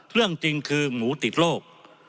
เรื่องจริงคือหมูติดโรค